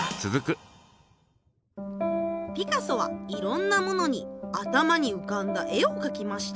ピカソはいろんなものに頭にうかんだ絵をかきました。